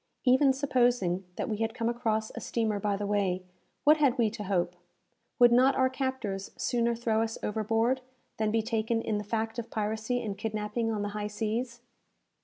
Even supposing that we had come across a steamer by the way, what had we to hope? Would not our captors sooner throw us overboard, than be taken in the fact of piracy and kidnapping on the high seas?